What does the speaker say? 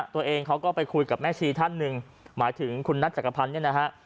ตัวเองเขาก็ไปคุยกับแม่ชีท่านหนึ่งหมายถึงคุณนัทจักรพันธ์เนี่ยนะฮะ